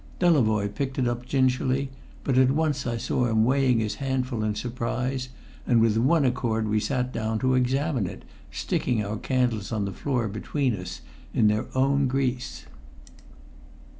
Delavoye picked it up gingerly, but at once I saw him weighing his handful in surprise, and with one accord we sat down to examine it, sticking our candles on the floor between us in their own grease.